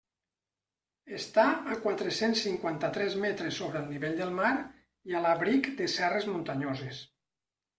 Està a quatre-cents cinquanta-tres metres sobre el nivell del mar i a l'abric de serres muntanyoses.